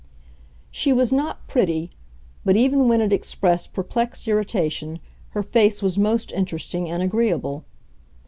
She was not pretty; but even when it expressed perplexed irritation her face was most interesting and agreeable.